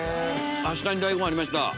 下に大根ありました！